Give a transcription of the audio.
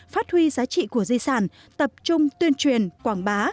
phát huy giá trị của di sản tập trung tuyên truyền quảng bá